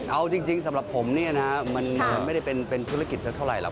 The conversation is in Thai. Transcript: เอาจริงสำหรับผมเนี่ยนะมันไม่ได้เป็นธุรกิจสักเท่าไหรอก